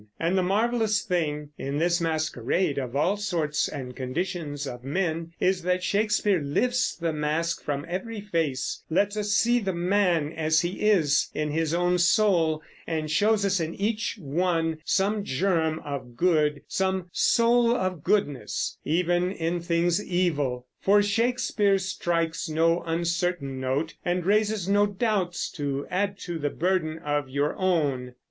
And the marvelous thing, in this masquerade of all sorts and conditions of men, is that Shakespeare lifts the mask from every face, lets us see the man as he is in his own soul, and shows us in each one some germ of good, some "soul of goodness" even in things evil. For Shakespeare strikes no uncertain note, and raises no doubts to add to the burden of your own.